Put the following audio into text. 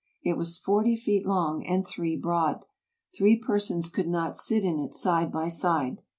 It was forty feet long and three broad. Three persons could not sit in it side by side.